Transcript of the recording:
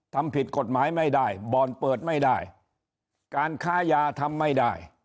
ทำผิดกฎหมายไม่ได้บ่อนเปิดไม่ได้การค้ายาทำไม่ได้